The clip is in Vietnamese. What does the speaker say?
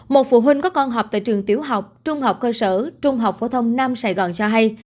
một phụ huynh có con học tại trường tiểu học trung học cơ sở trung học phổ thông nam sài gòn sa hay